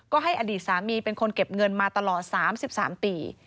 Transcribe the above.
ก็ให้อดีตสามีเป็นคนเก็บเงินมาตลอด๓๓ปี